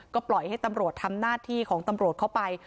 ก็ปล่อยให้ตำรวจทำหน้าที่ของตำรวจเข้าไป